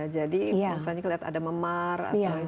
jadi misalnya kelihatan ada memar